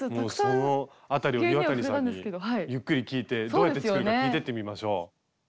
もうそのあたりを岩谷さんにゆっくり聞いてどうやって作るか聞いてってみましょう。